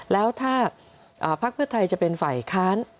แล้วถ้าพักเพื่อไทยจะเป็นฝ่ายค้าน